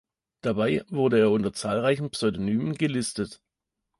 Dabei wurde er unter zahlreichen Pseudonymen gelistet.